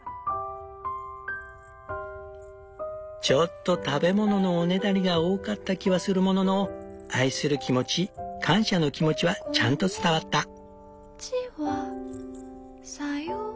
ちょっと食べ物のおねだりが多かった気はするものの愛する気持ち感謝の気持ちはちゃんと伝わった。